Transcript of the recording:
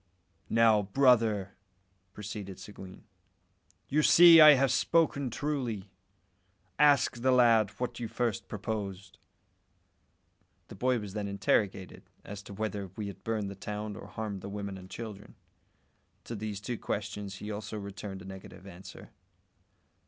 "Now, brother," proceeded Seguin, "you see I have spoken truly. Ask the lad what you first proposed." The boy was then interrogated as to whether we had burnt the town or harmed the women and children. To these two questions he also returned a negative answer.